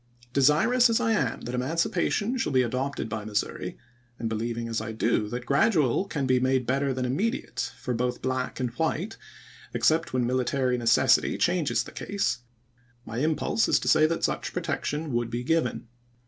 Deshous as I am that emancipation shall be adopted by Missouri, and beheving as I do that gradual can be made better than immediate for both black and white, except when military necessity changes the case, my impulse is to say that such protection would be given.